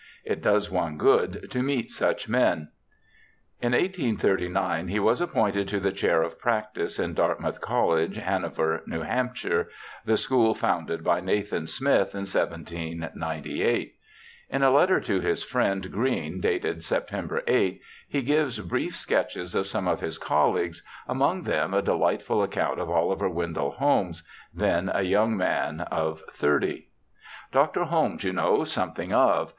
It does one good to meet such men.' ELISHA BARTLETT 119 In 1839 he was appointed to the chair of practice in Dartmouth College, Hanover, N.H., the school founded by Nathan Smith in 1798. In a letter to his friend, Green, dated September 8, he gives brief sketches of some of his colleagues, among them a delightful account of Oliver Wendell Holmes, then a young man of thirty. ' Dr. Holmes you know something of.